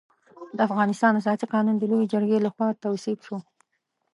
د افغانستان اساسي قانون د لويې جرګې له خوا تصویب شو.